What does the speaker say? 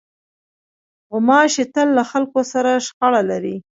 غوماشې تل له خلکو سره شخړه لري.